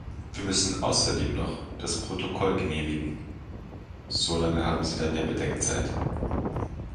Wir müssen außerdem noch das Protokoll genehmigen, solange haben Sie dann ja Bedenkzeit.